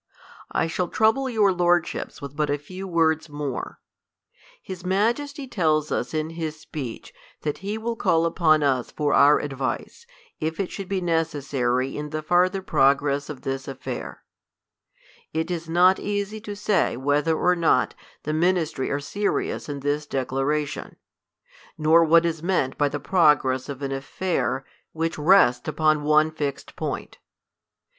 I shall trouble your lordships with but a few words more. His Majesty tells us in his speech, that he will c^Uupon us for our advice, if it should be necessary in the farther progress of this affair. It is not easy to say whether or not the ministry are serious in this decla ration ; nor what is meant by the progress of an affair, L which 122 THE COLUMBIAN ORATOR. \ which rests upon one fixed point.